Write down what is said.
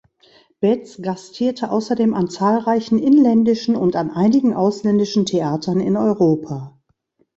Betz gastierte außerdem an zahlreichen inländischen und an einigen ausländischen Theatern in Europa.